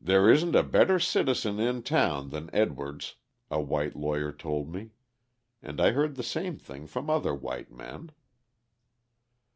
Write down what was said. "There isn't a better citizen in town than Edwards," a white lawyer told me; and I heard the same thing from other white men.